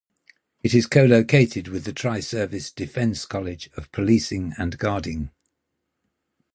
It is co-located with the tri-service Defence College of Policing and Guarding.